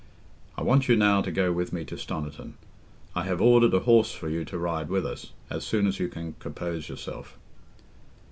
I want you now to go with me to Stoniton. I have ordered a horse for you to ride with us, as soon as you can compose yourself."